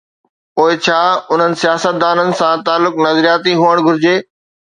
پوءِ ڇا انهن سياستدانن سان تعلق نظرياتي هئڻ گهرجي؟